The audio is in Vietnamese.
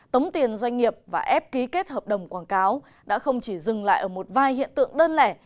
tống tiền doanh nghiệp và ép ký kết hợp đồng quảng cáo đã không chỉ dừng lại ở một vài hiện tượng đơn lẻ